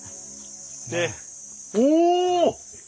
でお！